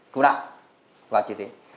cứu nạn và chỉ thế